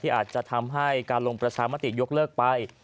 อาจจะทำให้การลงประชามติยกเลิกไป